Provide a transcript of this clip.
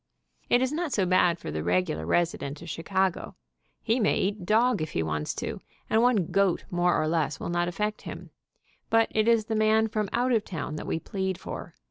It is not so bad for the regular resi dent of Chicago. He may eat dog if he wants to, and one goat more or less will not affect him, but it is the man from out of town that we plead for.